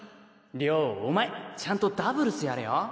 亮お前ちゃんとダブルスやれよ。